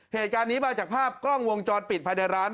เหตุการณ์นี้มาจากภาพกล้องวงจรปิดภายในร้าน